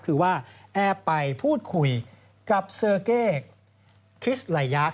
คือว่าแอบไปพูดคุยกับเซอร์เก้คริสไลยะ